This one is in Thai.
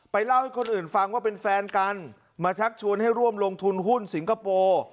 เล่าให้คนอื่นฟังว่าเป็นแฟนกันมาชักชวนให้ร่วมลงทุนหุ้นสิงคโปร์